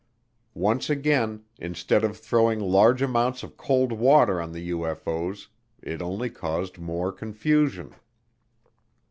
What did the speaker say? Once again, instead of throwing large amounts of cold water on the UFO's, it only caused more confusion.